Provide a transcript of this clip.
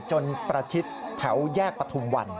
ประชิดแถวแยกปฐุมวัน